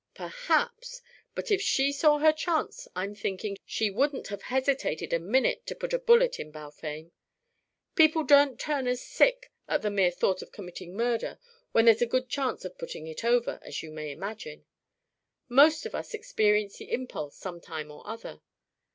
"Perhaps. But if she saw her chance, I'm thinking she wouldn't have hesitated a minute to put a bullet in Balfame. People don't turn as sick at the mere thought of committing murder, when there's a good chance of putting it over, as you may imagine. Most of us experience the impulse some time or other.